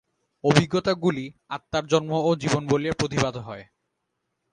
অভিজ্ঞতাগুলি আত্মার জন্ম ও জীবন বলিয়া প্রতিভাত হয়।